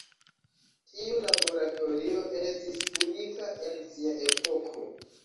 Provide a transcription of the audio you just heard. Tiu laboratorio estis unika en sia epoko.